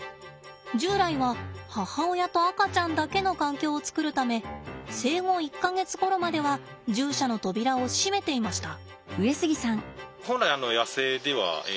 従来は母親と赤ちゃんだけの環境を作るため生後１か月ごろまでは獣舎の扉を閉めていました。